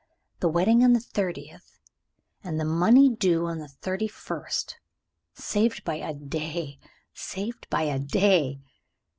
"The wedding on the thirtieth, and the money due on the thirty first. Saved by a day! Saved by a day!"